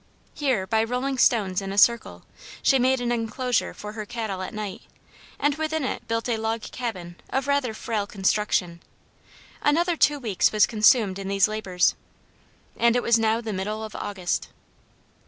Here, by rolling stones in a circle, she made an enclosure for her cattle at night, and within in it built a log cabin of rather frail construction; another two weeks was consumed in these labors, and it was now the middle of August.